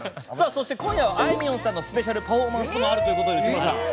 そして今夜はあいみょんさんのスペシャルパフォーマンスもあるということで、内村さん。